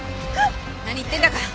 何言ってんだか。